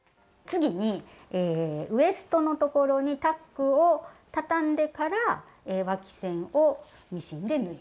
次にウエストの所にタックをたたんでからわき線をミシンで縫います。